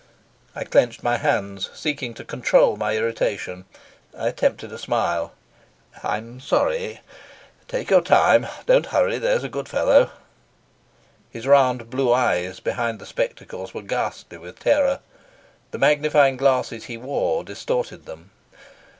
I clenched my hands, seeking to control my irritation. I attempted a smile. "I'm sorry. Take your time. Don't hurry, there's a good fellow." His round blue eyes behind the spectacles were ghastly with terror. The magnifying glasses he wore distorted them.